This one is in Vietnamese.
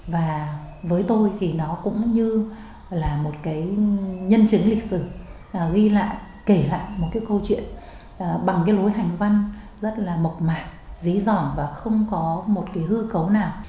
và với tôi thì nó cũng như là một cái nhân chứng lịch sử ghi lại kể lại một cái câu chuyện bằng cái lối hành văn rất là mộc mạc dí dỏm và không có một cái hư cấu nào